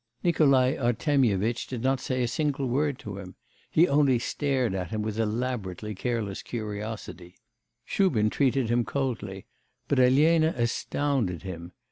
Nikolai Artemyevitch did not say a single word to him; he only stared at him with elaborately careless curiosity; Shubin treated him coldly; but Elena astounded him.